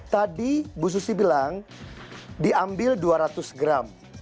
tadi bu susi bilang diambil dua ratus gram